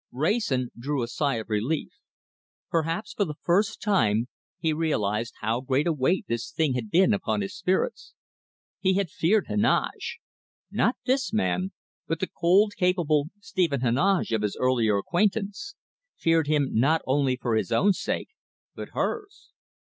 Wrayson drew a sigh of relief. Perhaps, for the first time, he realized how great a weight this thing had been upon his spirits. He had feared Heneage! not this man, but the cold, capable Stephen Heneage of his earlier acquaintance; feared him not only for his own sake, but hers.